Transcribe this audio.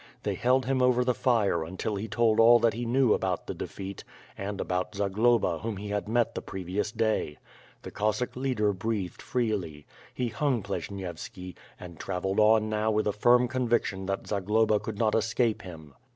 They held him over the fire until he told all that he knew about the defeat, and about Zagloba whom he had met the previous day. The Cossack leader breathed freely. He hung Pleshnievski, and travelled on now with a firm conviction that Zagloba could not escape him.